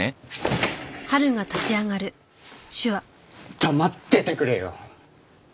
黙っててくれよ！